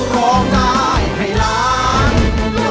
ร้องได้ให้ล้าน